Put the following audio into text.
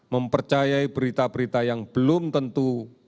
mempercayai berita berita yang belum tentu